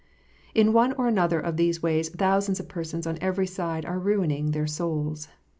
In one or other of these ways thousands of persons on every side are ruining their souls.